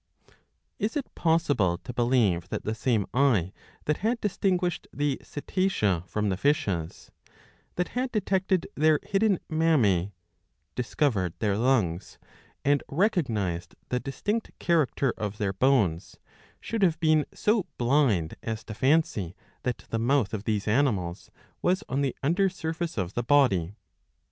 "^ Is it possible to believe that the same eye that had distinguished the cetacea from the fishes, that had detected their hidden mammse, discovered their lungs, and recognised the distinct character of their bones, should have been so blind as to fancy that the mouth of these animals was on the under surface of the body?